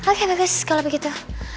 oke bagus kalau begitu